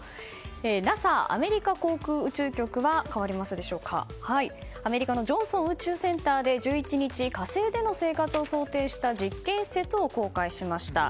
ＮＡＳＡ・アメリカ航空宇宙局はアメリカのジョンソン宇宙センターで１１日、火星での生活を想定した実験施設を公開しました。